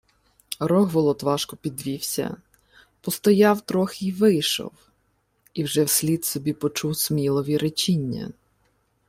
Рогволод важко підвівся, постояв трохи й вийшов, і вже вслід собі почув Смілові речіння: